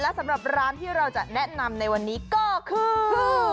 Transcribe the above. และสำหรับร้านที่เราจะแนะนำในวันนี้ก็คือ